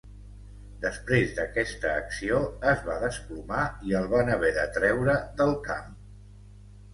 Després d'aquesta acció, es va desplomar i el van haver de treure del camp.